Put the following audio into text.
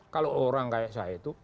kalau orang kayak saya itu